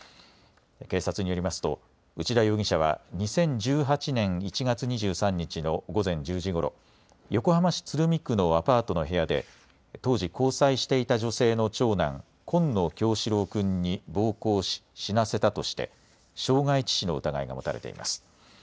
警察によりますと内田容疑者は２０１８年１月２３日の午前１０時ごろ、横浜市鶴見区のアパートの部屋で当時、交際していた女性の長男、紺野叶志郎君に暴行し死なせたとして傷害致死の疑いが持たれています。